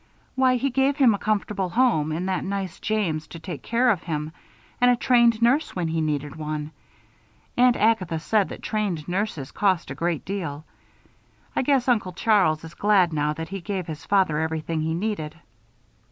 "Why, he gave him a comfortable home and that nice James to take care of him, and a trained nurse when he needed one Aunt Agatha said that trained nurses cost a great deal. I guess Uncle Charles is glad now that he gave his father everything he needed."